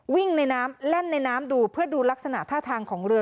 วิ่งในน้ำแล่นในน้ำดูเพื่อดูลักษณะท่าทางของเรือ